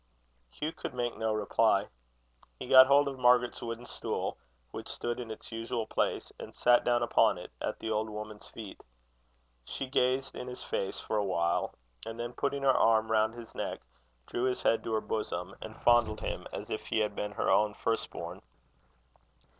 '" Hugh could make no reply. He got hold of Margaret's creepie, which stood in its usual place, and sat down upon it, at the old woman's feet. She gazed in his face for a while, and then, putting her arm round his neck, drew his head to her bosom, and fondled him as if he had been her own first born.